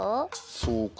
そうか。